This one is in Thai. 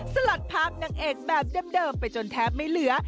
สลัดภาพนางเอกแบบเดิมไปจนแทบไม่เหลือ